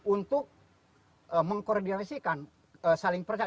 untuk mengkoordinasikan saling percaya